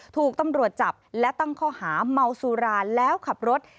ถูกต้องรวจจับและต้องเข้าหามัวสุราแล้วขับรถ